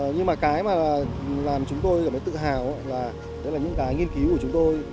nhưng mà cái mà làm chúng tôi tự hào là những cái nghiên cứu của chúng tôi